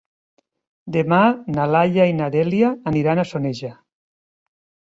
Demà na Laia i na Dèlia aniran a Soneja.